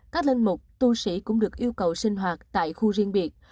các linh mục tu sĩ cũng được yêu cầu sinh hoạt tại khu riêng biệt